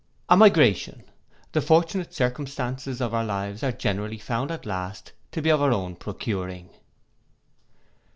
A migration. The fortunate circumstances of our lives are generally found at last to be of our own procuring.